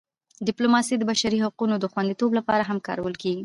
ډیپلوماسي د بشري حقونو د خوندیتوب لپاره هم کارول کېږي.